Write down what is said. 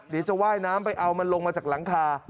เดี๋ยวจะว่ายน้ำไปเอามันลงมาจากหลังคา